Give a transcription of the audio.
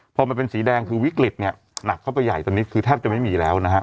พอมันเป็นสีแดงคือวิกฤตเนี่ยหนักเข้าไปใหญ่ตอนนี้คือแทบจะไม่มีแล้วนะฮะ